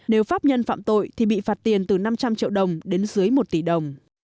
nếu pháp nhân phạm tội thì bị phạt tiền từ năm trăm linh triệu đồng đến dưới một tỷ đồng